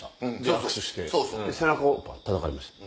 握手して背中をたたかれました。